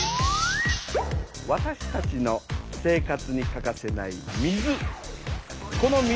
わたしたちの生活に欠かせない水。